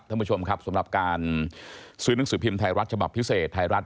ท่านผู้ชมครับสำหรับการซื้อหนังสือพิมพ์ไทยรัฐฉบับพิเศษไทยรัฐ